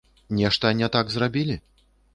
Нешта не так зрабілі?